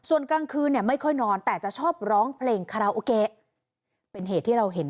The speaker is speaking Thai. ส่วนกลางคืนเนี่ยไม่ค่อยนอนแต่จะชอบร้องเพลงคาราโอเกะเป็นเหตุที่เราเห็น